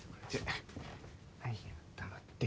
はいあったまって。